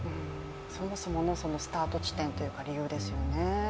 そもそものスタート地点というか理由ですよね。